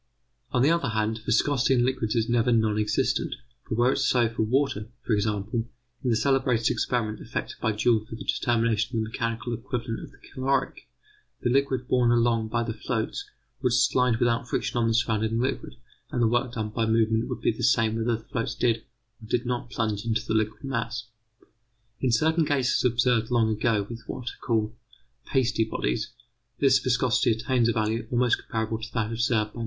On the other hand, viscosity in liquids is never non existent; for were it so for water, for example, in the celebrated experiment effected by Joule for the determination of the mechanical equivalent of the caloric, the liquid borne along by the floats would slide without friction on the surrounding liquid, and the work done by movement would be the same whether the floats did or did not plunge into the liquid mass. In certain cases observed long ago with what are called pasty bodies, this viscosity attains a value almost comparable to that observed by M.